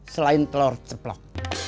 selain telur ceplok